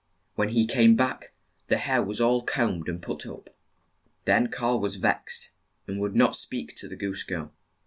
When he came back, the hair was all combed and put up. Then Karl was vexed, and would not speak to the goose girl.